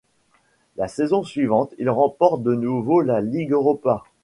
La saison suivante, il remporte de nouveau la Ligue Europa.